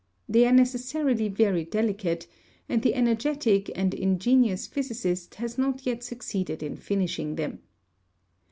They are necessarily very delicate, and the energetic and ingenious physicist has not yet succeeded in finishing them.